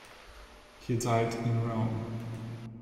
He died in Rome.